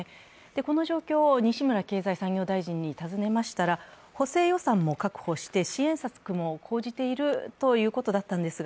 この状況を西村経済産業大臣に尋ねましたら、補正予算も確保して支援策も講じているということだったんですが、